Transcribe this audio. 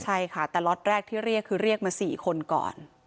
ใช่ค่ะแต่ล็อตแรกที่เรียกคือเรียกมา๔คนก่อน